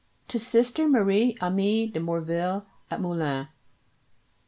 _To Sister Marie Aimée de Morville, at Moulins.